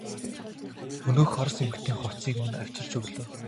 Өнөөх орос эмэгтэй хувцсыг минь авчирч өглөө.